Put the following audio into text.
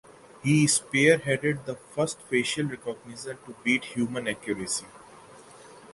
He spearheaded the first facial recognition to beat human accuracy.